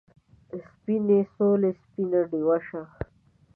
آ سپینې سولې سپینه ډیوه شه